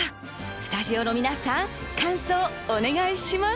スタジオの皆さん、感想をお願いします。